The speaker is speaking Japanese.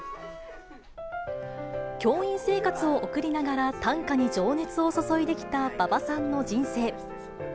教員生活を送りながら短歌に情熱を注いできた馬場さんの人生。